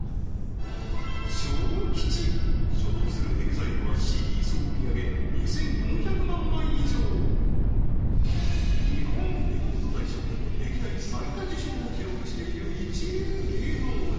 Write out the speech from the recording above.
ＳＨＯＫＩＣＨＩ所属するＥＸＩＬＥはＣＤ総売り上げ２４００万枚以上日本レコード大賞でも歴代最多受賞を記録している一流芸能人